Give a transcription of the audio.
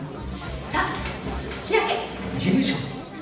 さあ開け！